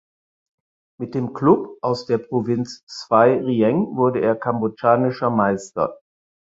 Mit dem Klub aus der Provinz Svay Rieng wurde er kambodschanischer Meister.